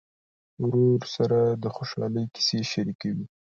ورور سره د خوشحالۍ کیسې شريکې وي.